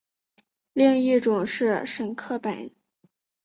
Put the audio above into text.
另一种是沈刻本。